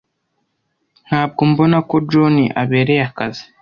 Ntabwo mbona ko John abereye akazi.